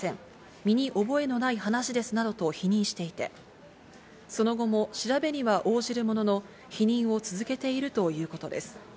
身に覚えのない話ですなどと否認していて、その後も調べには応じるものの、否認を続けているということです。